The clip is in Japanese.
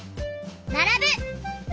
「ならぶ」！